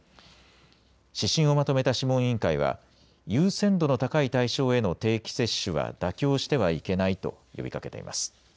指針をまとめた諮問委員会は優先度の高い対象への定期接種は妥協してはいけないと呼びかけています。